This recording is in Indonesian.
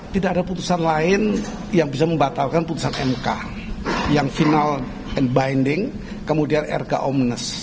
tidak ada putusan lain yang bisa membatalkan putusan mk yang final and binding kemudian rk omnas